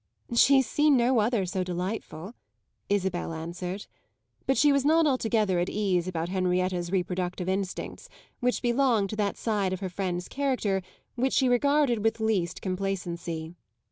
"She has seen no other so delightful!" Isabel answered; but she was not altogether at ease about Henrietta's reproductive instincts, which belonged to that side of her friend's character which she regarded with least complacency.